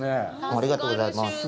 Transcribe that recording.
ありがとうございます。